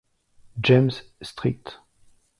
James St.